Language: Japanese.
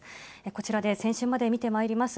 こちらで先週までを見てまいります。